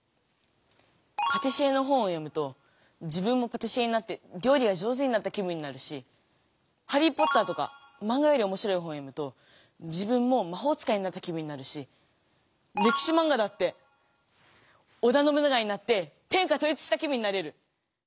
パティシエの本を読むと自分もパティシエになってりょうりがじょうずになった気分になるし「ハリー・ポッター」とかマンガよりおもしろい本を読むと自分もまほうつかいになった気分になるしれきしマンガだって織田信長になって天下とう一した気分になれる。